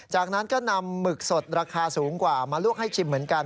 จากนั้นก็นำหมึกสดราคาสูงกว่ามาลวกให้ชิมเหมือนกัน